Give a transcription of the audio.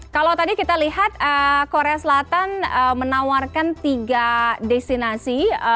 kalau tadi kita lihat korea selatan menawarkan tiga destinasi